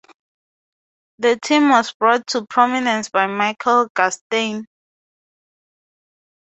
The term was brought to prominence by Michael Gurstein.